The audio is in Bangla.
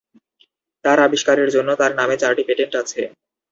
তার আবিস্কারের জন্য তার নামে চারটি পেটেন্ট আছে।